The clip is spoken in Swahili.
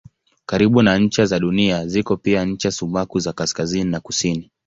Karibu na ncha za Dunia ziko pia ncha sumaku za kaskazini na kusini.